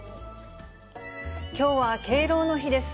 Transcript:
きょうは敬老の日です。